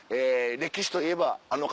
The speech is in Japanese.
歴史といえばあの方。